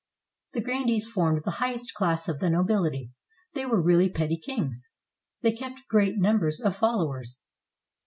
The grandees formed the highest class of the nobility. They were really petty kings. They kept great num bers of followers.